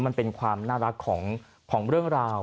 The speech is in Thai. มันเป็นความน่ารักของเรื่องราว